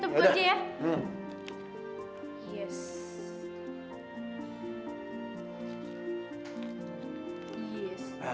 yaudah kita bekerja ya